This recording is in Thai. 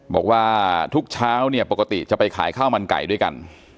บอกว่าทุกเช้าเนี่ยปกติจะไปขายข้าวมันไก่ด้วยกัน